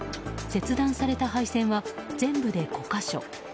切断された配線は全部で５か所。